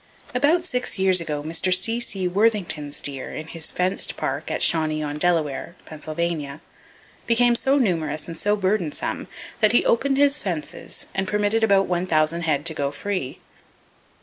About six years ago, Mr. C.C. Worthington's deer, in his fenced park, at Shawnee on Delaware, Pennsylvania, became so numerous and so burdensome that he opened his fences and permitted about one thousand head to go free.